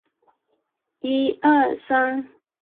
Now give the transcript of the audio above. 作弊者被人告发治罪。